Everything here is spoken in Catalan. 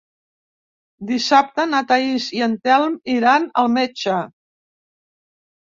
Dissabte na Thaís i en Telm iran al metge.